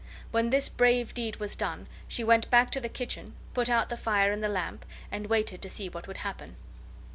When this brave deed was done she went back to the kitchen, put out the fire and the lamp, and waited to see what would happen.